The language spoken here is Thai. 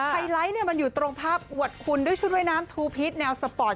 ไฮไลท์มันอยู่ตรงภาพอวดคุณด้วยชุดว่ายน้ำทูพีชแนวสปอร์ต